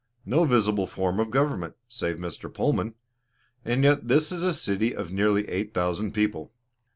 No visible form of government, save Mr. Pullman, and yet this is a city of nearly eight thousand people.